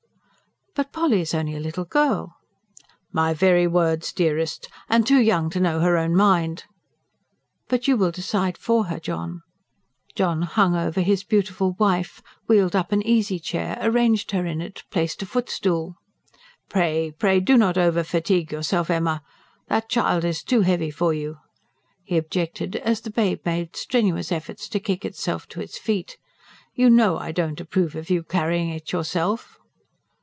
"But Polly is only a little girl!" "My very words, dearest. And too young to know her own mind." "But you will decide for her, John." John hung over his beautiful wife, wheeled up an easy chair, arranged her in it, placed a footstool. "Pray, pray, do not overfatigue yourself, Emma! That child is too heavy for you," he objected, as the babe made strenuous efforts to kick itself to its feet. "You know I do not approve of you carrying it yourself."